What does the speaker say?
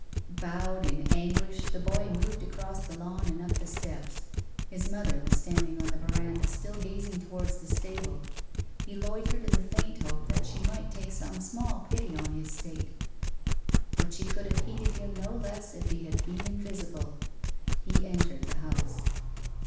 Bowed in anguish, the boy moved across the lawn and up the steps. His mother was standing on the veranda still gazing towards the stable. He loitered in the faint hope that she might take some small pity on his state. But she could have heeded him no less if he had been invisible. He entered the house.